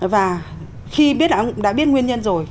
và khi đã biết nguyên nhân rồi